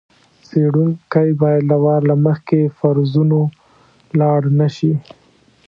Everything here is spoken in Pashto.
څېړونکی باید له وار له مخکې فرضونو لاړ نه شي.